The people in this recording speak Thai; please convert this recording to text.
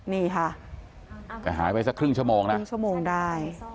นี่ค่ะแต่หายไปสักครึ่งชั่วโมงนะครึ่งชั่วโมงได้